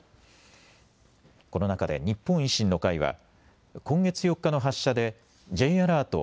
この中で日本維新の会は今月４日の発射でＪアラート